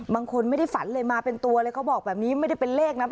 บางคนไม่ได้ฝันเลยมาเป็นตัวเลยเขาบอกแบบนี้ไม่ได้เป็นเลขนะ